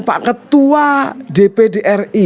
pak ketua dpd ri